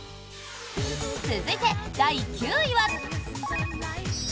続いて、第９位は。